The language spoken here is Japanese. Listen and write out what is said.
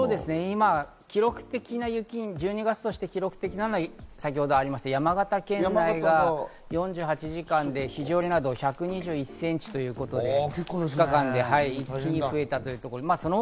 今、記録的な雪に、１２月として記録的なのは先ほどありました山形県内が４８時間で非常に１１２センチということで一気に増えた。